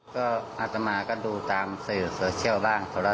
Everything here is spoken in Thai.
แสดงว่าอะไรขอโทษครับไม่แสดงว่าขอโทษครับ